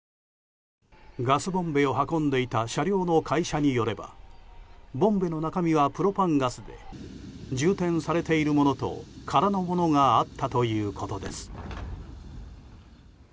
ガスボンベを運んでいた車両の会社によればボンベの中身はプロパンガスで充填されているものと空のものがあったということです。